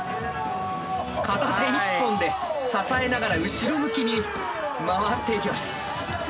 片手１本で支えながら後ろ向きに回っていきます。